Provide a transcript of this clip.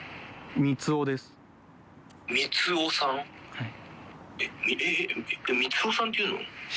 はい。